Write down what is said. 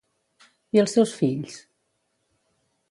I els seus fills?